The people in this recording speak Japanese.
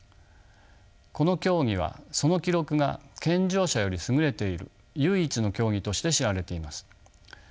この競技はその記録が健常者より優れている唯一の競技として知られています。